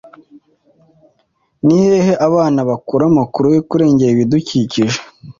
Ni hehe abana bakura amakuru yo kurengera ibidukikije?